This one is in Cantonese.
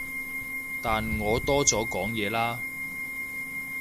但我多咗講嘢啦